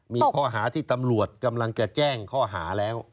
มีข้อหาที่ตำรวจกำลังจะแจ้งข้อหาแล้ว